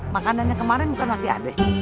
makanannya kemarin bukan masih ada